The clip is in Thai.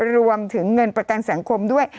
รวมถึงเงินประกันสังคมด้วย